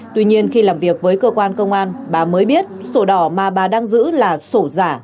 tuy nhiên khi làm việc với cơ quan công an bà mới biết sổ đỏ mà bà đang giữ là sổ giả